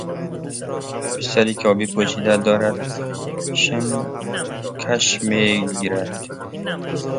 پسری که آبی پوشیده دارد شن کش می گیرد.